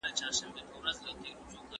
شاګرد له پخوا خپله مقاله لیکلې وه.